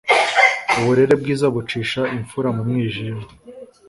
uburere bwiza bucisha imfura mu mwijima